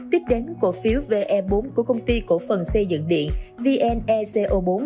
tiếp đến cổ phiếu ve bốn của công ty cổ phần xây dựng điện vneco bốn